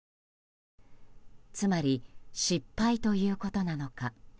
つまり、失敗ということなのか。